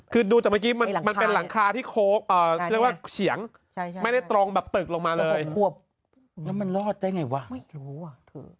คือดูจากเมื่อกี้มันเป็นหลังคาที่โค้กเรียกว่าเฉียง